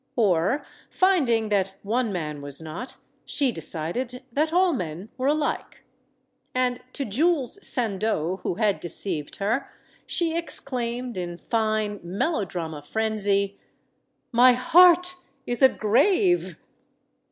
Or, finding that one man was not, she decided that all men were alike. And to Jules Sandeau, who had deceived her, she exclaimed, in fine, melodrama frenzy: "My heart is a grave!"